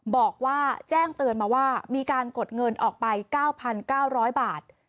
บอกว่าแจ้งเตือนมาว่ามีการกดเงินออกไป๙๙๐๐บาท